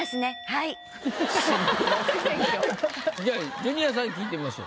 ジュニアさんに聞いてみましょう。